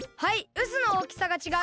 うすのおおきさがちがう。